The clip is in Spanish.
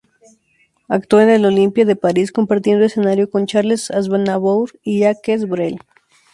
Actuó en el Olympia de París, compartiendo escenario con Charles Aznavour y Jacques Brel.